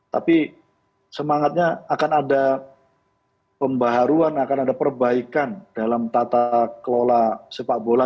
tapi semangatnya akan ada pembaharuan akan ada perbaikan dalam tata kelola sepak bola